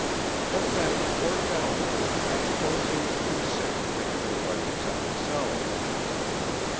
But then, poor gentleman, I suppose he was too sick to think of anybody except himself."